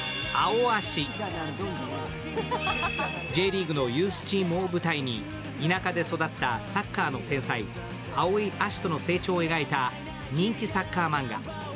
Ｊリーグのユースチームを舞台に田舎で育ったサッカーの天才・青井葦人の成長を描いた人気サッカーマンガ。